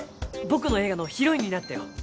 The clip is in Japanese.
僕の映画のヒロインになってよ。